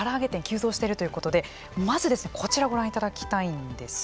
急増してるということでまずですねこちらご覧いただきたいんです。